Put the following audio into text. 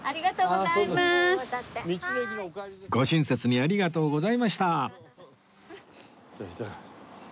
ご親切にありがとうございました来た来た。